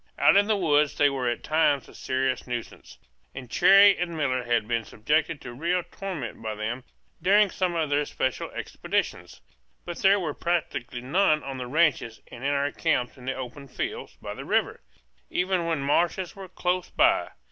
Out in the woods they were at times a serious nuisance, and Cherrie and Miller had been subjected to real torment by them during some of their special expeditions; but there were practically none on the ranches and in our camps in the open fields by the river, even when marshes were close by.